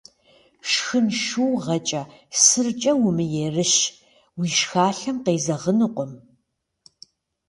Шхын шыугъэкӏэ, сыркӏэ умыерыщ, уи шхалъэм къезэгъынукъым.